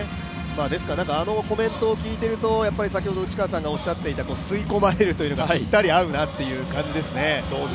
あのコメントを聞いていると、先ほどの内川さんのコメントの吸い込まれるというのがピッタリ合うなという感じですね。